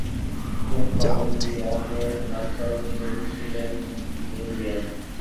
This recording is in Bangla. তিনি কলম্বিয়ামের নামকরণ করেছিলেন "নিওবিয়াম"।